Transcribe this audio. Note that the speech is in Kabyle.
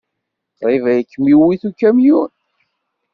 Qrib ay kem-iwit ukamyun.